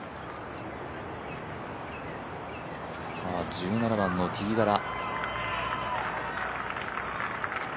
１７番のティーガラ。